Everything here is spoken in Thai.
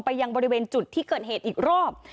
ยังบริเวณจุดที่เกิดเหตุอีกรอบ